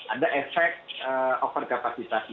ada efek overkapasitas